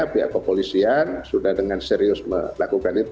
pihak kepolisian sudah dengan serius melakukan itu